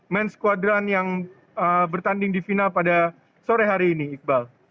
menskuadran yang bertanding di final pada sore hari ini iqbal